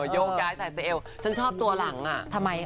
ยกกลายสาย๑๙๗๖ชิคกี้พายชอบตัวหลังน้องหมาล